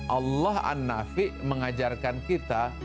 allah an nafi mengajarkan kita